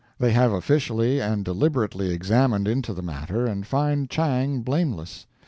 They have officially and deliberately examined into the matter, and find Chang blameless.